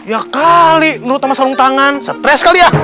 ya kali menurut sama sarung tahan stress kali ya